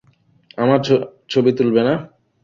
আমার ছবি তুলবেন না?